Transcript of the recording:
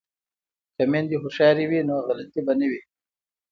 که میندې هوښیارې وي نو غلطي به نه وي.